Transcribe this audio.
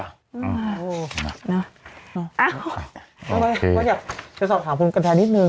แล้วก็อยากจะสอบถามคุณกันชัยนิดนึง